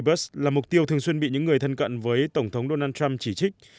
ông freebus là mục tiêu thường xuyên bị những người thân cận với tổng thống donald trump chỉ trích